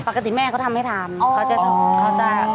ปกติแม่เขาทำให้ทำเขาจะ